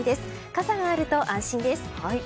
傘があると安心です。